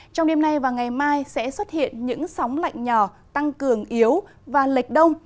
trong đêm nay và ngày mai sẽ xuất hiện những sóng lạnh nhỏ tăng cường yếu và lệch đông